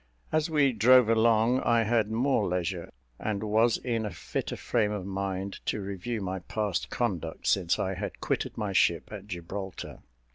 As we drove along, I had more leisure, and was in a fitter frame of mind to review my past conduct since I had quitted my ship at Gibraltar.